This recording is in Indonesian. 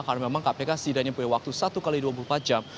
karena memang kpk setidaknya punya waktu satu x dua puluh empat jam